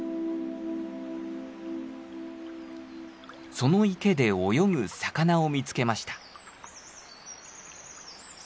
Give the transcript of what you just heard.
その池で泳ぐ魚を見つけました。